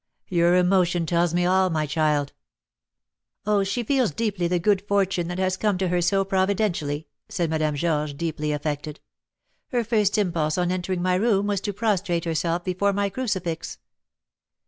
"Your emotion tells me all, my child." "Oh, she feels deeply the good fortune that has come to her so providentially," said Madame Georges, deeply affected; "her first impulse on entering my room was to prostrate herself before my crucifix."